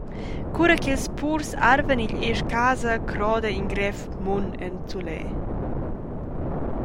Cura ch’ils purs arvan igl esch-casa, croda in grev mun en zuler.